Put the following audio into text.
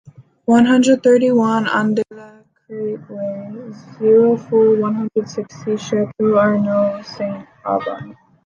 one hundred thirty one on de la Crête way, zero four, one hundred sixty, Château-Arnoux-Saint-Auban